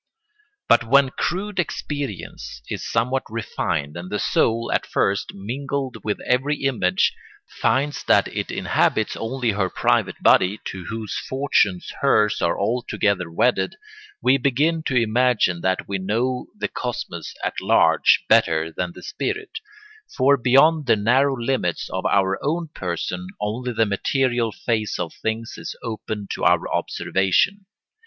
But when crude experience is somewhat refined and the soul, at first mingled with every image, finds that it inhabits only her private body, to whose fortunes hers are altogether wedded, we begin to imagine that we know the cosmos at large better than the spirit; for beyond the narrow limits of our own person only the material phase of things is open to our observation.